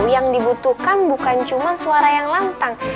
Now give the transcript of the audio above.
yang dibutuhkan bukan cuma suara yang lantang